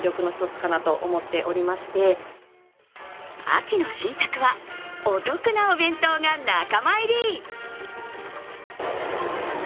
秋の新作はお得なお弁当が仲間入り。